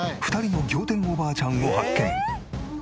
２人の仰天おばあちゃんを発見。